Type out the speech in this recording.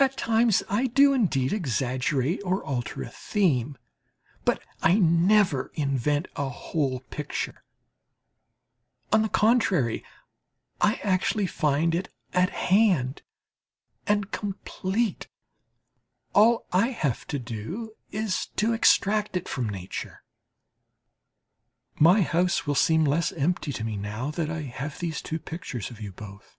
At times I do indeed exaggerate or alter a theme; but I never invent a whole picture on the contrary, I actually find it at hand and complete all I have to do is to extract it from nature. My house will seem less empty to me now that I have these pictures of you both.